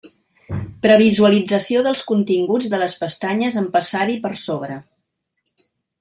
Previsualització dels continguts de les pestanyes en passar-hi per sobre.